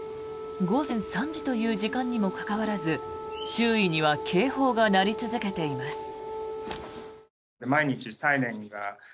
午前３時という時間にもかかわらず周囲には警報が鳴り続けています。